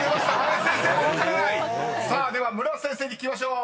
では村瀬先生に聞きましょう。